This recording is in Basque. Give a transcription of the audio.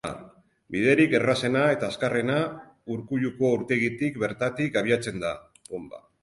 Biderik errazena eta azkarrena, Urkuluko urtegitik bertatik abiatzen da.